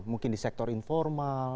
mungkin di sektor informal